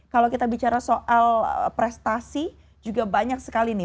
kalau kita bicara soal prestasi juga banyak sekali nih